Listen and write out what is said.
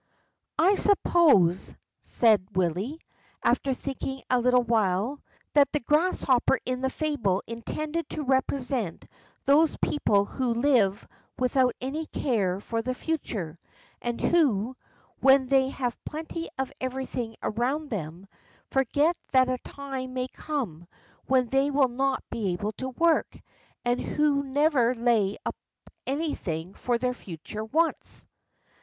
"I suppose," said Willie, after thinking a little while, "that the grasshopper in the fable is intended to represent those people who live without any care for the future, and who, when they have plenty of everything around them, forget that a time may come when they will not be able to work, and who never lay up anything for their future wants."